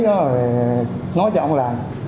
thì nói cho ông làm